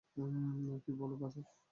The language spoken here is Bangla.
কী বল বাছা!